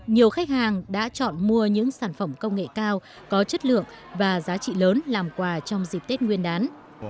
nhiều khách hàng đã chọn mua những sản phẩm công nghệ cao có chất lượng và giá trị lớn làm quà trong dịp tết nguyên đán